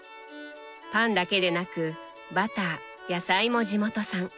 パンだけでなくバター野菜も地元産。